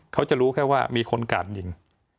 เขาจะรู้แค่ว่ามีคนกาดยิง